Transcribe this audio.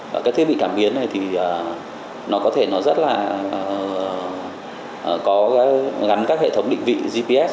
và các thiết bị thảm biến này thì nó có thể rất là gắn các hệ thống định vị gps